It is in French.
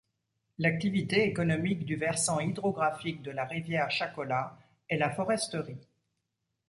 L’activité économique du versant hydrographique de la rivière Chacola est la foresterie.